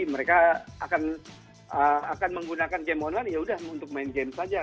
mereka akan menggunakan game online ya udah untuk main game saja